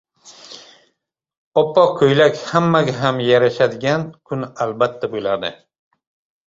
• Oppoq ko‘ylak hammaga ham yarashadigan kun albatta bo‘ladi.